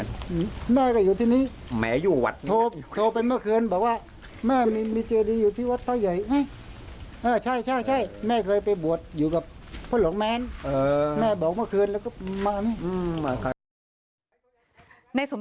ในสมศักดิ์